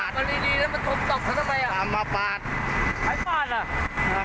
ตามมาปากนะตามมาปาก